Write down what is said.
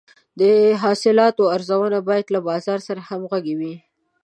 د حاصلاتو ارزونه باید له بازار سره همغږې وي.